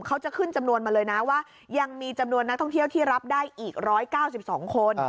เขาจะขึ้นจำนวนมาเลยนะว่ายังมีจำนวนนักท่องเที่ยวที่รับได้อีก๑๙๒คน